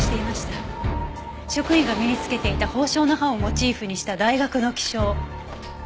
職員が身につけていた芳樟の葉をモチーフにした大学の記章。